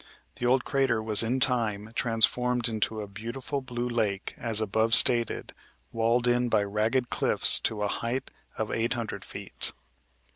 The old crater was in time transformed into a beautiful blue lake, as above stated, walled in by ragged cliffs to a height of eight hundred feet.